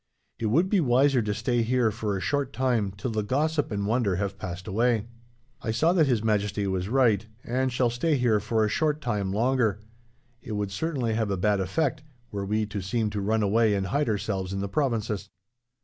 It would be wiser to stay here, for a short time, till the gossip and wonder have passed away.' "I saw that His Majesty was right, and shall stay here for a short time longer. It would certainly have a bad effect, were we to seem to run away and hide ourselves in the provinces."